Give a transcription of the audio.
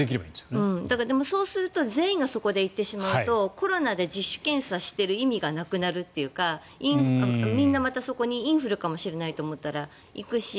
そうすると全員がそこで行ってしまうとコロナで自主検査をしてる意味がなくなるというかみんなまたそこにインフルかもしれないと思ったら行くし。